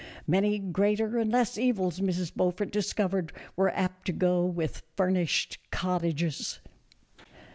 Many greater and less evils Mrs. Beaufort discovered were apt to go with furnished cottages.